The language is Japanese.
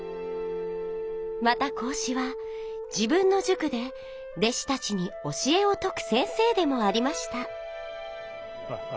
また孔子は自分のじゅくで弟子たちに教えをとく先生でもありました。